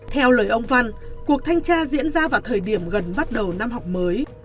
theo lời ông văn cuộc thanh tra diễn ra vào thời điểm gần bắt đầu năm học mới